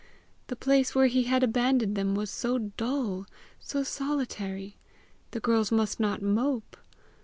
the place where he had abandoned them was so dull, so solitary! the girls must not mope!